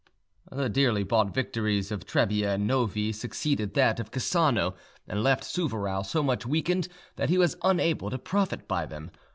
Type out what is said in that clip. The dearly bought victories of Trebia and Novi succeeded that of Cassano, and left Souvarow so much weakened that he was unable to profit by them.